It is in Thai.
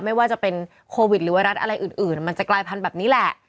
ไม่ว่าจะเป็นโควิดหรือไวรัสอะไรอื่นมันจะกลายพันธุ์แบบนี้แหละ